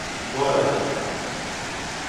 Bu arada...